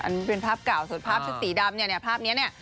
อันนี้เป็นภาพเก่าส่วนภาพชุดสีดำเนี่ยเนี่ยภาพนี้เนี่ย